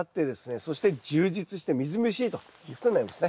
そして充実してみずみずしいということになりますね。